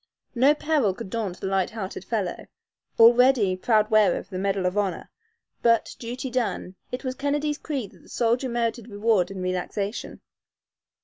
No peril could daunt the light hearted fellow, already proud wearer of the medal of honor; but, duty done, it was Kennedy's creed that the soldier merited reward and relaxation.